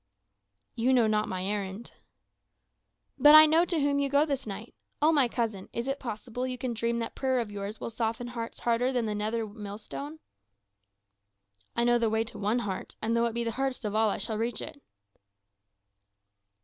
"You know not my errand." "But I know to whom you go this night. Oh, my cousin, is it possible you can dream that prayer of yours will soften hearts harder than the nether millstone?" "I know the way to one heart; and though it be the hardest of all, I shall reach it."